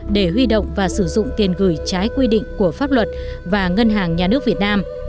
để huy động và sử dụng tiền gửi trái quy định của pháp luật và ngân hàng nhà nước việt nam